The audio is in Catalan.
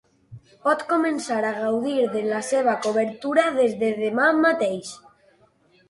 Pot començar a gaudir de la seva cobertura des de demà mateix.